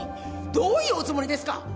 どういうおつもりですか！